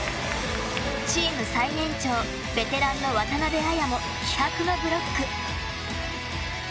チーム最年長ベテランの渡邊彩も気迫のブロック。